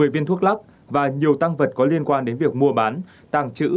một mươi viên thuốc lắc và nhiều tăng vật có liên quan đến việc mua bán tàng trữ